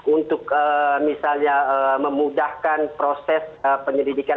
untuk misalnya memudahkan proses penyelidikan